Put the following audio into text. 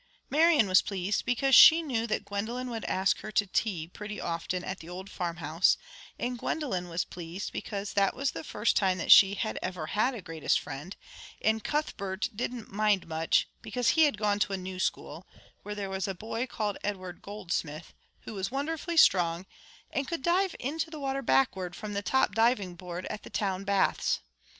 Marian was pleased, because she knew that Gwendolen would ask her to tea pretty often at the old farmhouse; and Gwendolen was pleased, because that was the first time that she had ever had a greatest friend; and Cuthbert didn't mind much, because he had gone to a new school, where there was a boy called Edward Goldsmith, who was wonderfully strong, and could dive into the water backward from the top diving board at the town baths.